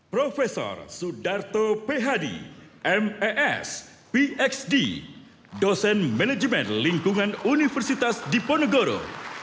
prof sudarto phdi mes pxd dosen manajemen lingkungan universitas diponegoro